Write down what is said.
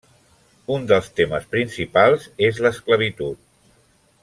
Un dels temes principals és l’esclavitud.